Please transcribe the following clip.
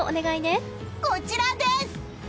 こちらです！